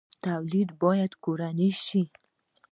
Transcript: تولید باید کورنی شي